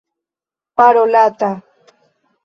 parolata